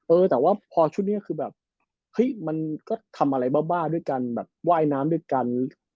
เออแต่ว่าพอชุดนี้คือแบบเฮ้ยมันก็ทำอะไรบ้าด้วยกันแบบว่ายน้ำด้วยกัน